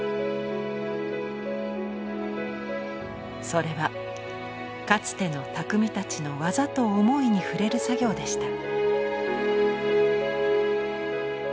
それはかつての匠たちの技と思いに触れる作業でした。